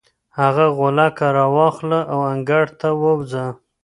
هغه غولکه راواخله او انګړ ته ووځه.